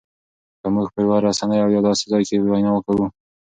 که مونږ په یوه رسنۍ او یا داسې ځای کې وینا کوو